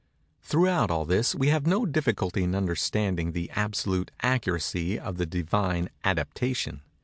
Throughout all this we have no difficulty in understanding the absolute accuracy of the Divine adaptation.